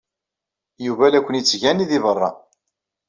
Yuba la ken-yettgani deg beṛṛa.